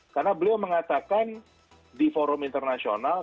karena beliau mengatakan di forum internasional